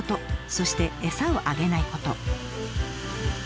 そして餌をあげないこと。